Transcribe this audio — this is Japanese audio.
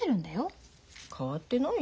変わってないよ。